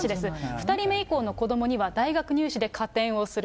２人目以降の子どもには、大学入試で加点をする。